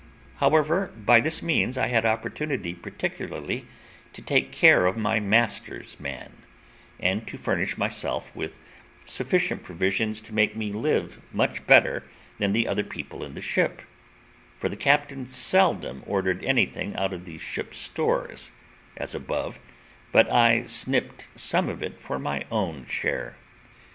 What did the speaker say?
However, by this means I had opportunity particularly to take care of my master's man, and to furnish myself with sufficient provisions to make me live much better than the other people in the ship; for the captain seldom ordered anything out of the ship's stores, as above, but I snipt some of it for my own share.